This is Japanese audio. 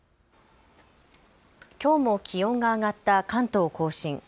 きょうも気温が上がった関東甲信。